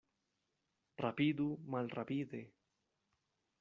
Rapidu malrapide.